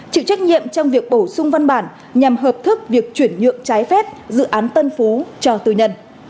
chịu trách nhiệm trong việc bổ sung văn bản nhằm hợp thức việc chuyển nhượng trái phép dự án tân phú cho tư nhân